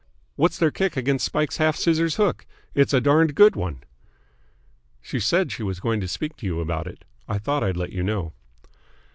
"What's their kick against Spike's half scissors hook? It's a darned good one." "She said she was going to speak to you about it. I thought I'd let you know."